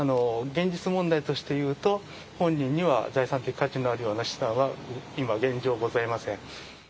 現実問題として言うと、本人には財産的価値のあるような資産は今現状ございません。